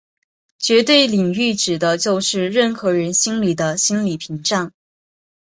绝对领域指的就是任何人心里的心理屏障。